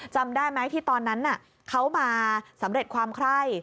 จำได้ไหมที่ตอนนั้นเขามาสำเร็จความไคร่